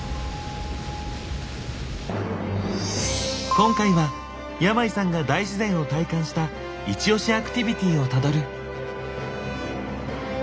今回は山井さんが大自然を体感したイチオシアクティビティをたどる。